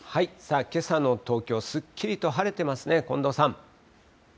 けさの東京、すっきりと晴れてますね、近藤さん。